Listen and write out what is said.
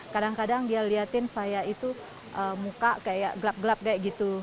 kadang kadang dia liatin saya itu muka kayak gelap gelap kayak gitu